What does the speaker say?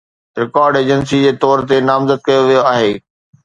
record agency جي طور تي نامزد ڪيو ويو آهي